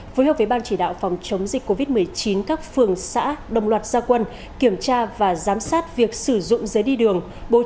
phối hợp với ban chỉ đạo phòng chống dịch covid một mươi chín các phường xã đồng loạt gia quân kiểm tra và giám sát việc sử dụng giấy đi đường